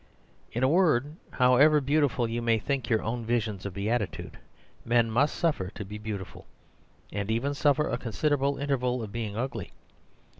In a word, however beautiful you may think your own visions of beatitude, men must suffer to be beautiful, and even suffer a considerable interval of being ugly.